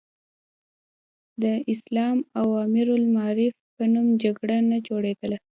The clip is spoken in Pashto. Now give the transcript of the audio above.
د اسلام او امر بالمعروف په نوم جګړه نه جوړېدله.